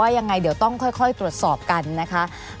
ยังไงเดี๋ยวต้องค่อยตรวจสอบกันนะคะ